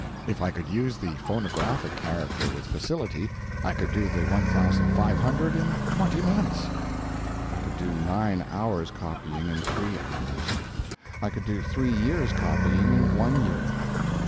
If I could use the phonographic character with facility I could do the 1,500 in twenty minutes. I could do nine hours' copying in three hours; I could do three years' copying in one year.